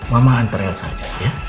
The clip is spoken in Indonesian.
mama antar elsa aja ya